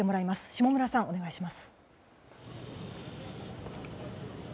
下村さん、お願いします。